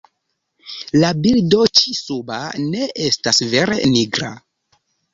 La bildo ĉi suba ne estas vere nigra.